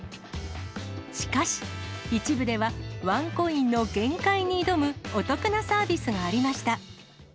しかし、一部では、ワンコインの限界に挑むお得なサービスがありました。